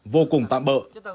vô cùng tạm bỡ